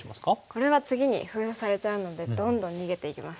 これは次に封鎖されちゃうのでどんどん逃げていきます。